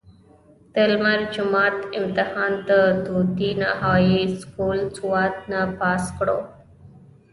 د لسم جمات امتحان د ودوديه هائي سکول سوات نه پاس کړو